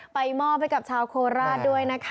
มอบให้กับชาวโคราชด้วยนะคะ